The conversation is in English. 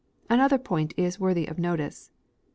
Another point is worthy of notice.